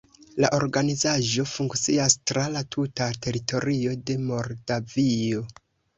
La organizaĵo funkcias tra la tuta teritorio de Moldavio.